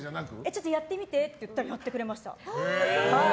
ちょっとやってみてって言ったら、やってくれました。